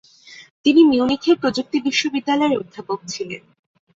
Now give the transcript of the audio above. তিনি মিউনিখের প্রযুক্তি বিশ্ববিদ্যালয়ের অধ্যাপক ছিলেন।